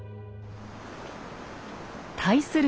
対する